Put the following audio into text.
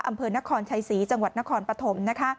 อำเภอนครชัยศรีจังหวัดนครปฐม